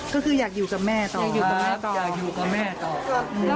ก็คืออยากอยู่กับแม่ต่อครับอยากอยู่กับแม่ต่อ